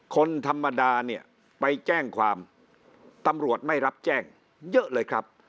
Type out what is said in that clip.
คนธรรมดาเนี่ยไปแจ้งความตำรวจไม่รับแจ้งเยอะเลยครับ